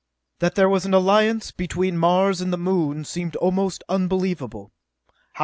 That there was an alliance between Mars and the Moon seemed almost unbelievable.